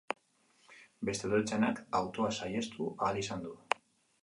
Beste udaltzainak autoa saihestu ahal izan du.